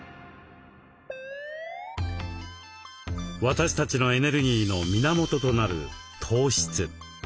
私たちのエネルギーの源となる糖質。